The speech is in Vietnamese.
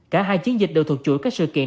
cả hai chiến dịch đều thuộc chuỗi các sự kiện